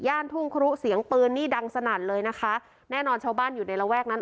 ทุ่งครุเสียงปืนนี่ดังสนั่นเลยนะคะแน่นอนชาวบ้านอยู่ในระแวกนั้น